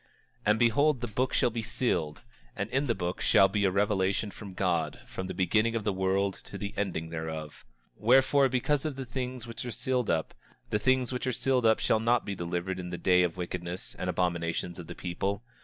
27:7 And behold the book shall be sealed; and in the book shall be a revelation from God, from the beginning of the world to the ending thereof. 27:8 Wherefore, because of the things which are sealed up, the things which are sealed shall not be delivered in the day of the wickedness and abominations of the people.